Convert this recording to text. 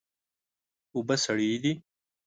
اوبه سړې دي.